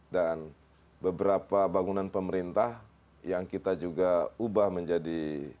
dan beberapa bangunan pemerintah yang kita juga ubah menjadi